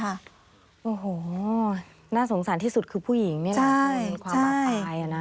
โอ้โหน่าสงสารที่สุดคือผู้หญิงนี่แหละคุณความอับอายนะ